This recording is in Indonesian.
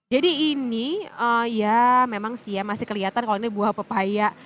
jadi ini ya memang sih masih kelihatan kalau ini buah pepaya